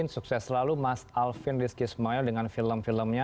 sukses selalu mas alvin rizky ismail dengan film filmnya